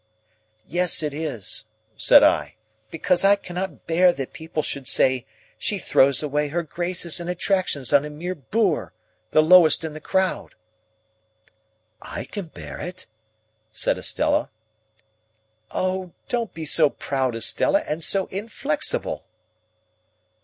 "Yes it is," said I, "because I cannot bear that people should say, 'she throws away her graces and attractions on a mere boor, the lowest in the crowd.'" "I can bear it," said Estella. "Oh! don't be so proud, Estella, and so inflexible."